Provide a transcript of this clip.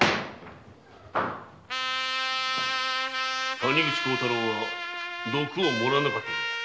谷口孝太郎は毒を盛らなかったぞ。